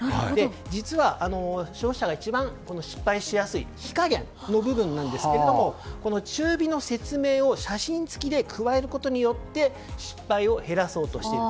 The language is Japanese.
実は消費者が一番失敗しやすい火加減の部分ですが中火の説明を写真付きで加えることによって失敗を減らそうとしている。